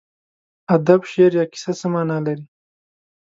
ادب، شعر یا کیسه څه مانا لري.